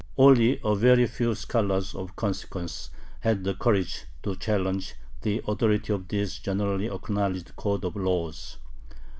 Only very few scholars of consequence had the courage to challenge the authority of this generally acknowledged code of laws.